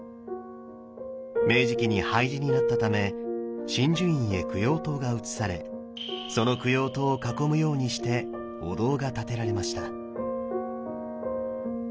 明治期に廃寺になったため眞珠院へ供養塔が移されその供養塔を囲むようにしてお堂が建てられました。